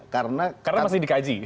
karena masih dikaji